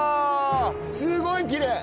すごいきれい！